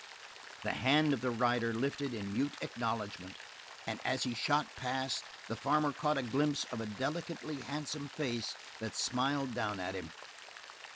The hand of the rider lifted in mute acknowledgment, and as he shot past, the farmer caught a glimpse of a delicately handsome face that smiled down at him.